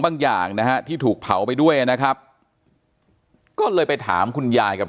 อย่างนะฮะที่ถูกเผาไปด้วยนะครับก็เลยไปถามคุณยายกับ